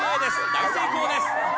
大成功です！